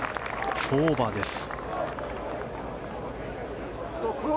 ４オーバーです。